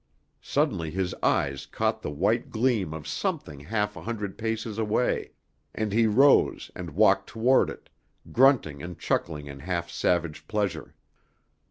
Suddenly his eyes caught the white gleam of something half a hundred paces away, and he rose and walked toward it, grunting and chuckling in half savage pleasure.